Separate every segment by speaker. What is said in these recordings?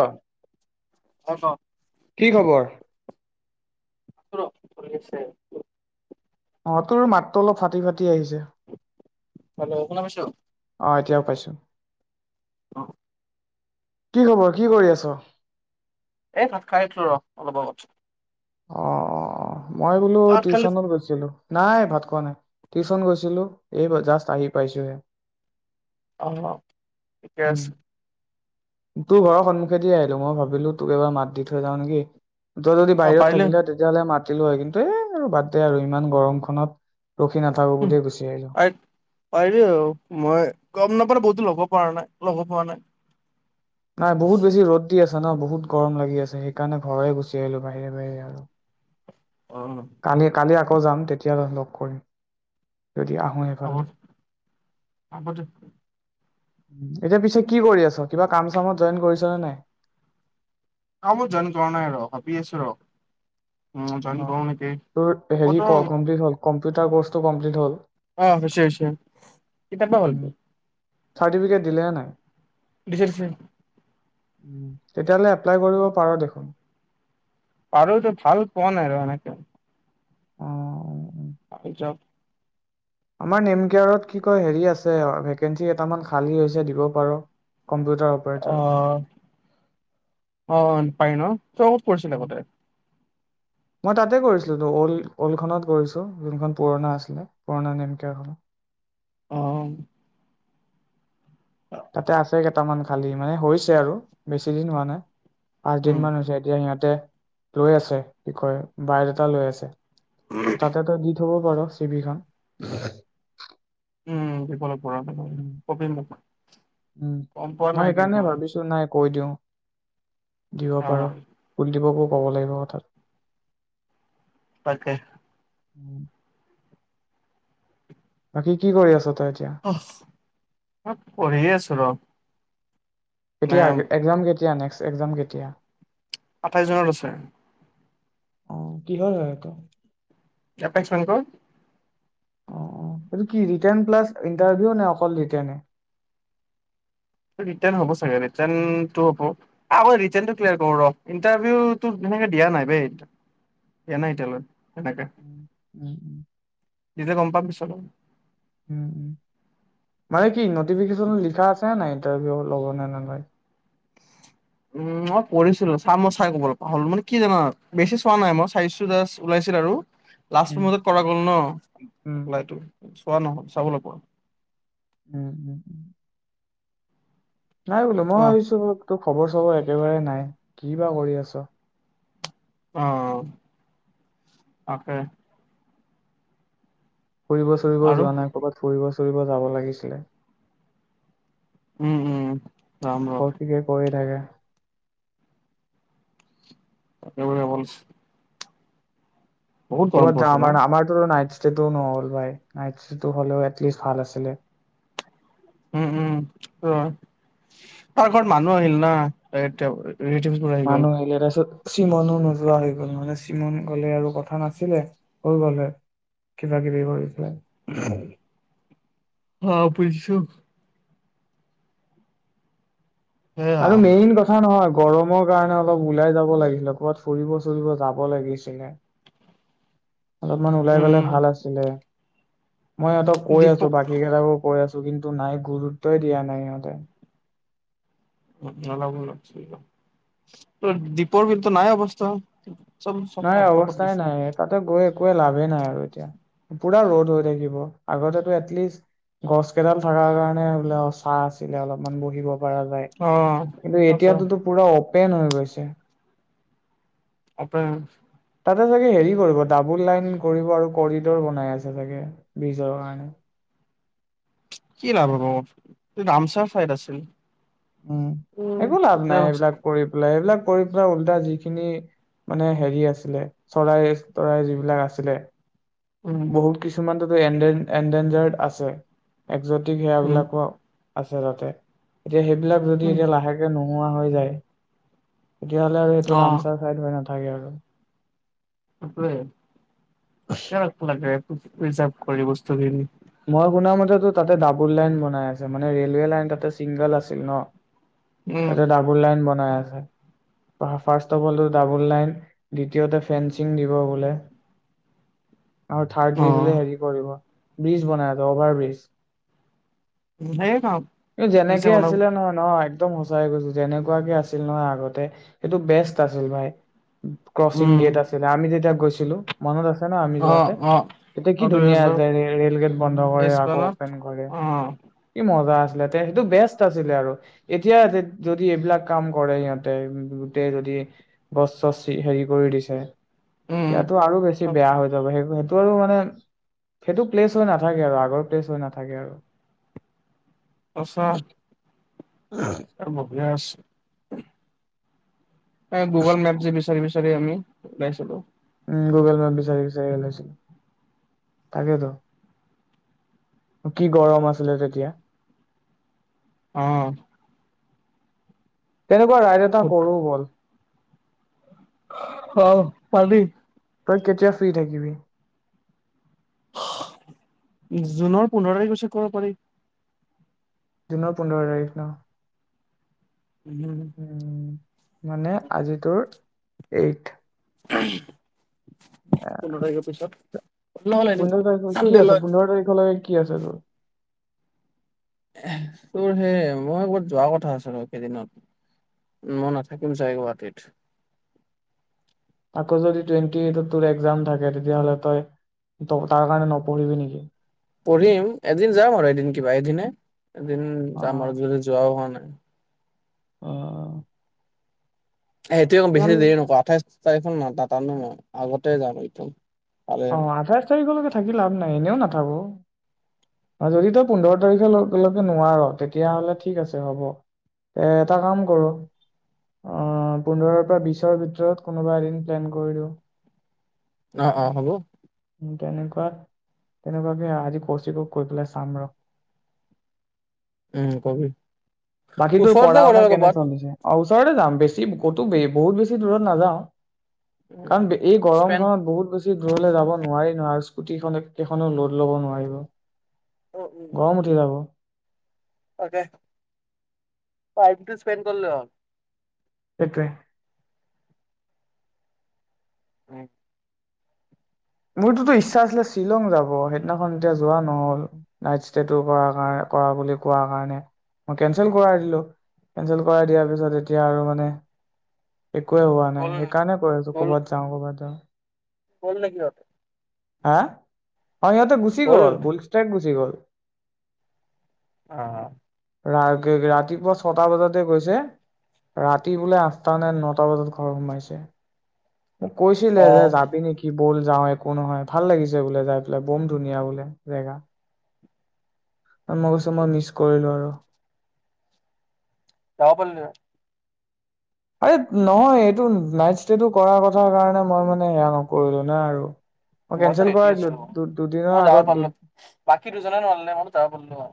Speaker 1: আহ
Speaker 2: অ ৰ
Speaker 1: কি খবৰ?
Speaker 2: আছে [inaudible]
Speaker 1: অ তোৰ মাতটো অলপ ফাটি -ফাটি আহি
Speaker 2: হেল্ল' শুনা পাইছ
Speaker 1: আহ এতিয়াও পাইছো।
Speaker 2: অ
Speaker 1: কি খবৰ কি কৰি আছ?
Speaker 2: এই ভাত খাই উঠলো ৰ অলপ আগত।
Speaker 1: অ অ অ মই বোলো
Speaker 2: ভাত খালি
Speaker 1: টিউচনত গৈছিলো নাই ভাত পোৱা নাই টিউচন গৈছিলো এইব জাষ্ট আহি পাইছোহে।
Speaker 2: অ ঠিকে আছে।
Speaker 1: তোৰ ঘৰৰ সন্মুখে দি আহিলো মই ভাবিলো তোক এবাৰ মাত দি থৈ যাও নেকি? ত তই যদি
Speaker 2: অ
Speaker 1: বাহিৰত
Speaker 2: পাৰিলে
Speaker 1: থাকিলে তেতিয়াহলে মা কাতিলো হয় কিন্তু এই আৰু বাদ দে আৰু ইমান গৰমখনত ৰখি নাথাকো
Speaker 2: উ
Speaker 1: বুলিয়ে গুচি আহিলো।
Speaker 2: পাৰি মই গম নাপাও বহুতো লব প ন লভ প ন [unintelligible]
Speaker 1: নাই বহুত বেছি ৰ'দ দি আছে। জানা বহুত গৰম লাগি আছে সেইকাৰণে ঘৰৰে গুচি আহিলো বাহিৰে বাহিৰে আৰু
Speaker 2: অ
Speaker 1: কালি কালি আ আকৌ যাম তেতিয়ালৈ লগ কৰিম। যদি আহোঁ এইফালে?
Speaker 2: আগত আগতে
Speaker 1: এতিয়া পিছে কি কৰি আছ কিবা কাম চামত জইন কৰিছ নে নাই?
Speaker 2: কব জান কৰা নাই ৰ ভাবি আছো ৰ? উম জইন
Speaker 1: অ
Speaker 2: কৰো নেকি
Speaker 1: তেওঁৰ
Speaker 2: কত
Speaker 1: হেৰি কমপ্লিট হল কম চুইাৰৰ্টো কম্লট হ'ল?
Speaker 2: আহ হয়চে হয়চে সতিয়া ক বটো [inaudible]
Speaker 1: চাৰ্টিফিকেট দিলেনে নাই?
Speaker 2: দিছে দিছে
Speaker 1: তেতিয়াহ'লে এপ্লাই কৰিব পাৰ দেখোন।
Speaker 2: পাৰতো ভাল পোৱা নাই আৰু এনেক
Speaker 1: অ', অ',
Speaker 2: আৰু যব
Speaker 1: আমাৰ নেমকেয়াৰত কি কৈ হেৰি আছে আৰু ভাকেন্সী এটামান খালী হৈছে দিব পাৰো।
Speaker 2: আহ', অ', পাই ন তই কত কৰিছিল
Speaker 1: উম,
Speaker 2: আগতে?
Speaker 1: মই তাতে কৰিছিলোতো অল্ড - অল্ড খনত কৰিছোঁ যিনখন পুৰণা আছিলে পুৰণা নেমকয়াৰখনত।
Speaker 2: অ',
Speaker 1: তাতে আছে কা কটামান খালি মানে হৈছে আৰু বেছি দিন হোৱা নায়।
Speaker 2: উম
Speaker 1: পাঁচদিনমানানছে এতিয়া সিহঁতে লৈ আছে কি কয় বাইড এটা লৈ আছে। তাতে তো দি থব। দিব চিভিখন
Speaker 2: উম দিব লাগিব
Speaker 1: উম
Speaker 2: কবি মোক,
Speaker 1: উম
Speaker 2: গম পোৱা
Speaker 1: মই
Speaker 2: নাই কিন্তু
Speaker 1: সেইকাৰণে
Speaker 2: মই।
Speaker 1: ভাবিছো নাই কৈ দিওঁ দিব পাৰো
Speaker 2: অ',
Speaker 1: ফুল দিব কবি ক'ব লাগিব কথাাত।
Speaker 2: তাকে।
Speaker 1: উম, বাকী কি কৰি আছ তই এতিয়া
Speaker 2: মই পঢ়িয়ে আছো ৰ' মানে
Speaker 1: কেতিয়া একযাম কেতিয়া নেক্স? একযাম কেতিয়া?
Speaker 2: আঠাইছ জুনত আছে।
Speaker 1: অ' কিহৰ হয় এইটো?
Speaker 2: এপেক্স বেংকৰ।
Speaker 1: অ- অ এইটো কি? ৰিটেন প্লাছ ইণ্টাৰভিউ নে অকল ৰিটেন?
Speaker 2: ৰিটেন হব ছাগে ৰিটেন টো হব, আগত ৰিটেনটোক্লিয়াৰ কৰোঁ, ইণ্টাৰভিউ টো দিয়া নাই এতিয়ালৈকে।
Speaker 1: উম - উম- উম
Speaker 2: দিলে গম পাম পিছত আৰু
Speaker 1: উ- উ মানে কি নটিফিকেশচনত লিখা আছে নে নাই? ইণ্টাৰভিউ ল'ব নে নলয়
Speaker 2: উম মই কৰিছিলো চাম মই চাই ক'ব লগা হ'ল মানে কি জানা বেছি চোৱা নাই মই চাইছো জাষ্ট ওলাইছিল আৰু লাষ্ট
Speaker 1: উম
Speaker 2: মুহূৰ্তত কৰা গ'ল ন
Speaker 1: উম
Speaker 2: এপ্লাইটো চোৱা নহয় চাবলৈ কোৱা
Speaker 1: উম উম উম নাই বোলো মই
Speaker 2: অ',
Speaker 1: ভাবিছোঁ তো খবৰ চবৰ একেবাৰে নাই কি বা কৰি আছ?
Speaker 2: অ 'তাকে
Speaker 1: ফুৰিব চৰিব
Speaker 2: আৰু
Speaker 1: যোৱা নাই ক'ৰবাত ফুৰিব? ফুৰিব যাব লাগিছিলে।
Speaker 2: উম উম যাম ৰ
Speaker 1: কৌশিকে কৈ থাকে
Speaker 2: তাকে বোলে বল
Speaker 1: কৰবাত যাম
Speaker 2: ন
Speaker 1: হা আমাৰ টো নাইট শ্বিফ্ট নহ'ল ভাই নাইটচিফট হলেও এটলিষ্ট ভাল আছিলে।
Speaker 2: উম উম অ পাৰ ঘৰত মানুহ আহিল না এতিয়া?
Speaker 1: নানু হলেৰেছ চিমনো নোযোৱা হৈ গল মানে চিমন গলে আৰু কথা নাছিলে হৈ গলে কিবা কিবি কৰিছে
Speaker 2: হ বুজিছো সেয়া
Speaker 1: আৰু মেইন কথা নহয় গৰমৰ কাৰণে অলপ ওলাই যাব লাগিছিল ক'বাত ফুৰিব চুৰিব যাব লাগিছিলে? অলপমান ওলাই
Speaker 2: উম
Speaker 1: গলে ভাল আছিলে। মই ইহঁতক কৈ আছো
Speaker 2: দীপক
Speaker 1: বাকী কেইটাকো কৈ আছো। কিন্তু নাই গুৰুত্বই দিয়া নাই সিহঁতে।
Speaker 2: অলপ অল দ্বীপৰ ভ নাই অৱস্থা? চব চব
Speaker 1: নাই
Speaker 2: নষ্ট কৰি
Speaker 1: অৱস্থাই
Speaker 2: দিছে
Speaker 1: নাই তাতে গৈ একে লাভেই নাই আৰু এতিয়া পুৰা ৰ'দ হৈ থাকিব আগতে এটলিষ্ট গছ কেইডাল থকাৰ কাৰণে বোলে চাহ আছিলে অলপমান বহিব
Speaker 2: অ
Speaker 1: কিন্তু
Speaker 2: আচ্ছা
Speaker 1: এতিয়াতো পুৰা অ পেন হৈ গৈছে।
Speaker 2: আপোন
Speaker 1: তাতে চাগে হেৰি কৰিব ডাবুল লাইন কৰিব আৰু কৰিডৰ বনাই আছে চাগে ব্ৰীজৰ কাৰণে?
Speaker 2: কি লাভ ৰামচাহ ফাইদ আছিল।
Speaker 1: উম
Speaker 2: উম
Speaker 1: একো লাভ
Speaker 2: এতিয়া
Speaker 1: নাই সেইবিলাক কৰি পেলাই এইবিলাক কৰি পৰা ওল্টা যিখিনি মানে হেৰি আছিলে চৰাই চৰাই যিবিলাক আছিলে
Speaker 2: উম
Speaker 1: বহুত কিছুমান এনডেন এনডেনজাৰ আছে। একজেটিক
Speaker 2: উম
Speaker 1: সেৱাবিলাকো আছে তাতে। এতি সেইবিলাক যদি
Speaker 2: উম
Speaker 1: এতিয়া লাহেকে নো নোৱা হৈ যায় তেতিয়া হ'লে আৰু সেইটো
Speaker 2: অ
Speaker 1: ৰামচাৰ চাইড হয় নাথাকে হয় আৰু
Speaker 2: সেইটোৱে [inaudible] ৰিজাপ কৰি বস্তুখিনি
Speaker 1: টো তাতে ডাবুল লাইন বনাই আছে মানে ৰেলৱে লাইন তাতে চিংগল আছিল ন।
Speaker 2: উম
Speaker 1: তাতে ডাবুল লাইন বনাই আছে। ফাৰ্ষ্ট অফ অলটো ডাবল লাইন দ্বিতীয়তে ফেন্সিং দিব বোলে। আৰু
Speaker 2: অ
Speaker 1: থাৰ্ডলি বোলে হেৰি কৰিব? ব্ৰিজ বনায় আছে অভাৰ ব্ৰিজ।
Speaker 2: সেয়ে কাম দিছে
Speaker 1: যেনেকে
Speaker 2: মানে
Speaker 1: আছিলে নহয় নহয় একদম সঁচাই কৈছো যেনেকুৱাকে আছিল নহয় আগতে সেইটো বেষ্ট আছিল ভাই। ক্ৰচিং
Speaker 2: উম
Speaker 1: গেট আছিলে আমি যেতিয়া গৈছিলো মনত আছে। আছে ন আমি
Speaker 2: অ
Speaker 1: যোৱাতে।
Speaker 2: অ
Speaker 1: তেতিয়া কি
Speaker 2: অ দুইহেজাৰ
Speaker 1: ধুনীয়াছে ৰেল গেট বন্ধ কৰে
Speaker 2: তেইছ
Speaker 1: আকৌ
Speaker 2: মানত
Speaker 1: অপেন কৰে।
Speaker 2: অ
Speaker 1: কি মজা আছিলে সেইটো বেষ্ট আছিলে আৰু এতিয়া যদি এইবিলাক কাম কৰে সিহঁতে গোটেই যদি গছ চছ হেৰি কৰি দিছে।
Speaker 2: উম
Speaker 1: এয়াতো আৰু বেছি বেয়া হৈ যাব সেই টো আৰু মানে সেইটো প্লেচ হৈ নাথাকে আৰু আগৰ প্লেচ হৈ নাথাকে আৰু।
Speaker 2: সঁচা। আ বহিয়ে আছো গুগল মেপ যে বিচাৰি বিচাৰি আমি ওলাই চো ত
Speaker 1: উম গুগল মেপ বিচাৰি-বিচাৰি ওলাইছো তাকেতো কি গৰম আছিলে তেতিয়া।
Speaker 2: আহ
Speaker 1: তেনেকুৱা ৰাইড এটা কৰো ব'ল।
Speaker 2: অ' পাৰি।
Speaker 1: তই কেতিয়া ফ্ৰী থাকিবি?
Speaker 2: জুনৰ পোন্ধৰ তাৰিখছে ক'ব পাৰি।
Speaker 1: জুনৰ পোন্ধৰ তাৰিখ ন?
Speaker 2: উম',
Speaker 1: উম মানে আজি তোৰ এইট।
Speaker 2: উমহ পোন্ধৰ তাৰিখৰ পিছত। নহ'লে
Speaker 1: পোন্ধৰ তাৰিখ কি
Speaker 2: চানডে
Speaker 1: আছে
Speaker 2: লয়
Speaker 1: পোন্ধৰ তাৰিখলৈকে কি আছে তোৰ?
Speaker 2: তোৰ সেই মই বত যোৱা কথা আছিল কেইদিনত মই নাথাকিম চাগ গুৱাহাটীত।
Speaker 1: আকৌ যদি টুৱেটি একজাম থাকে তেতিয়াহলে তই তাৰ কাৰনে নপঢ়িবি নেকি?
Speaker 2: পঢ়িম এদিন যাম আৰু এদিন কিবা এদিনে। এদিন
Speaker 1: অ
Speaker 2: যাম আৰু যদি যোৱা হোৱা নাই।
Speaker 1: অ'হ
Speaker 2: সেইয়ে এক বেছি দেৰি নকোৱা আঠাইছ চৰিখন ন ত ন আগতে যাম এইটো
Speaker 1: অ আঠাইছ তাৰিখ হলেক ল থাকি লাভ নাই এনেও নাথাকোঁ যদি তই পোন্ধৰ তাৰি নোৱাৰ তেতিয়লে ঠিক আছে হ'ব। এ কাম কৰো অ', পোন্ধৰৰ পৰা বিছ ভিতৰত কোনোবা এদিন প্লেন কৰি দিওঁ।
Speaker 2: অ-অ হ'ব।
Speaker 1: তেনেকুৱা-তেনেকুৱাকে আজি কৌচিকক কৈ পেলাই চাম ৰ।
Speaker 2: উম, কবি।
Speaker 1: বাকী তোৰ
Speaker 2: ওচৰতে
Speaker 1: পঢ়া
Speaker 2: গ'লে
Speaker 1: শুনা
Speaker 2: হ'ল
Speaker 1: কেনে
Speaker 2: ক'ৰবাত
Speaker 1: চলিছে? ওচৰতে যাম বেছি ক'তো বহুত বেছি দূৰত নাযাওঁ। কাৰণ এই
Speaker 2: স্পেন
Speaker 1: গৰমখনত বহুত বেছি দূৰ হলে যাব নোৱাৰি ন আৰু। স্কুটি খনে কেইখনোও লোড ল'ব নোৱাৰিব। গৰম উঠি যাব।
Speaker 2: তাকে। টাইমটো স্পেণ্ড কৰিলে হ।
Speaker 1: সেইটোৱে।
Speaker 2: উম,
Speaker 1: মোৰতটোতো ইচ্ছা আছিলে শ্বিলং যাব সেইদিনাখন এতিয়া যোৱা নহ'ল নাইট ষ্টেটো কৰা-কাৰ-কৰা বুলি কোৱা কাৰণে মই কেনচেল কৰাই দিলো কেচেল কৰাই দিয়াৰ পিছত এতিয়া আৰু মানে একোৱে হোৱা নাই,
Speaker 2: গ'ল
Speaker 1: সেইকাৰণে কৈ আছো কৰ'ৰবাত যাওঁ, কৰ'ৰবাত যাওঁ।
Speaker 2: হ'ল নেকি বাৰু
Speaker 1: হা, অ', সিহঁতে গুচি
Speaker 2: গ'ল
Speaker 1: গলুলষ্ট্ৰক গুচি গ'ল। [unintelligible]
Speaker 2: অ'হ
Speaker 1: ৰা ৰাতিপুৱা ছটা বজাতে গৈছে ৰাতি বোলে আঠটা নে নটা বজাত ঘৰ সোমাইছে। মোক
Speaker 2: অ
Speaker 1: কৈছিলে
Speaker 2: অ
Speaker 1: যে যাবি নেকি বল। যাওঁ একো নহয় ভাল লাগিছে বোলে যাইপিলে বম ধুনীয়া বোলে জেগ মই কৈছো মই মিচ কৰিলো আৰু।
Speaker 2: যাব পাৰ ন।
Speaker 1: আ, নহয় এইটো নাইট ষ্টেটো কৰ কথা কাৰণে মই মানে সেয়া নকৰিলো নে আৰু। মই
Speaker 2: মইতো
Speaker 1: কেনচেল
Speaker 2: ৰেদি
Speaker 1: কৰাই দিলো
Speaker 2: আছো
Speaker 1: দু- দুদিনৰ
Speaker 2: মই
Speaker 1: আগত
Speaker 2: যাব পাৰিলো বাকী দুজনে নোৱাৰ নে মই যাব পাৰিলো হয়।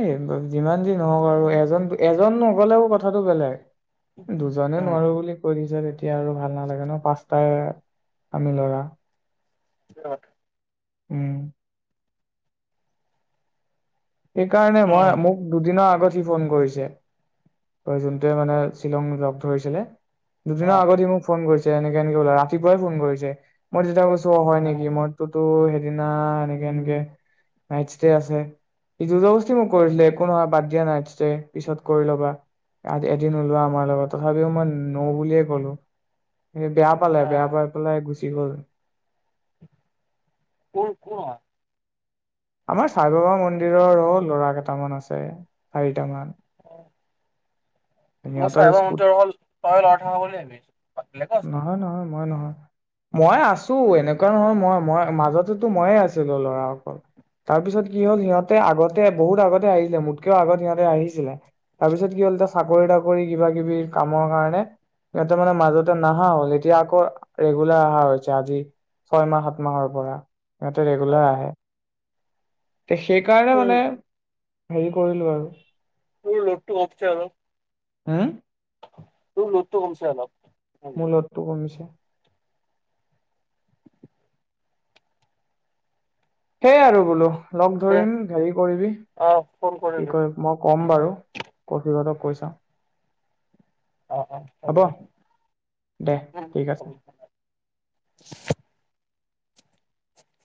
Speaker 1: এই যিমান যি, নহওক আৰু এজন এজন নগলেও কথাটো বেলেগ? দুজনে
Speaker 2: উম
Speaker 1: নোৱাৰো বুলি কৈছে যে তেতিয়া আৰু ভাল নালাগে ন পাঁচটাই আমি লৰা।
Speaker 2: বত [unintelligible]
Speaker 1: উম, সেইকাৰণে মই
Speaker 2: উম
Speaker 1: মোক দুদিনৰ আগত দি ফোন কৰিছে। ত যোনটোৱে মানে শ্বিলং লগ ধৰিছিলে?
Speaker 2: অ
Speaker 1: দুদিনা আগতে মোক ফোন কৰিছে এনেকে-এনেকে বোলে ৰাতিপুৱাই ফোন কৰিছে মই তেতিয়া কৈছো হয়
Speaker 2: উম
Speaker 1: নেকি মইতোতো সিদিনা এনেকে-এনেকে নাইট ষ্টে আছে স [unintelligible] দুতগোষ্ঠি মোক কৰিছিলে একো নহয় বাদ দিয়া নাইট ষ্টে পিছত কৰি ল'বা। আ, এদিন ওলোৱা আমাৰ লগত তথাপিও মই নও বুলিয়ে ক'লো। এ বেয়া পালে
Speaker 2: অ
Speaker 1: বেয়া পায় পেলাই গু জীৱন
Speaker 2: কোন - কোন হয়?
Speaker 1: আমাৰ চাই বাবা মন্দিৰৰ অ ল'ৰা কেইটামান আছে। চাৰিটামান।
Speaker 2: [inaudible] মই চাই
Speaker 1: সিহঁতৰ
Speaker 2: বাবা
Speaker 1: স্কুট
Speaker 2: মন্দিৰৰ অকল [unintelligible] লৰা থাকা বুলি ভাবি আছোঁ। বেলেগো আছে নেকি?
Speaker 1: নহয় নহয় মই নহয় মই আছো এনেকুৱা নহয়, মই - মই মাজতেতো ময়ে আছিলো লৰা অকল। তাৰপিছত কি হল সিহঁতে আগতে বহুত আগতে আহিলে, মোতকেও আগত সিহঁতে আহিছিলে। তাৰপিছত কি হল এতিয়া চাকৰি তাকৰি কিবা কিবি কামৰ কাৰণে সিহঁতে মানে মাজতে নাহা হল। এতিয়া আকৌ ৰেগুলাৰ আহা হৈছে। আজি ছয় মাহ সাত মাহৰ পৰা, সিহঁতে
Speaker 2: অ
Speaker 1: ৰেগুলাৰ আহে। তে সেইকাৰণে
Speaker 2: তোৰ
Speaker 1: মানে হেৰি কৰিলো আৰু
Speaker 2: তোৰ লোড টো কমচে অলপ।
Speaker 1: হুম
Speaker 2: তোৰ লোড টো কমছে অলপ।
Speaker 1: মোৰ লোড টো কমিছে। সেই আৰু বুলো। লগ
Speaker 2: দে
Speaker 1: ধৰিম। হেৰি কৰিবি
Speaker 2: অ ফোন
Speaker 1: কি
Speaker 2: কৰিবি
Speaker 1: কয়, মই ক'ম বাৰু কৌশিক হতক। কৈ চাওঁ।
Speaker 2: অ' অ'। হ'ব দে।
Speaker 1: দে
Speaker 2: [unintelligible]
Speaker 1: ঠিক আছে
Speaker 2: হব। [unintelligible]